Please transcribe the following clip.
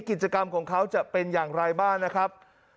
กิจกรรมของเขาจะเป็นอย่างไรบ้างนะครับ